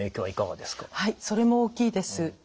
はいそれも大きいです。